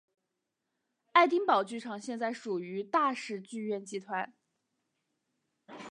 爱丁堡剧场现在属于大使剧院集团。